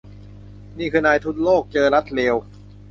นี่คือนายทุนโลภเจอรัฐเลว